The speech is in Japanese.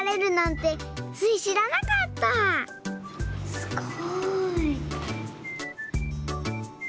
すごい。